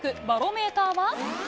バロメーターは？